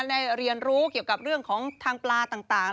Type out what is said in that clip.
ได้เรียนรู้เกี่ยวกับเรื่องของทางปลาต่าง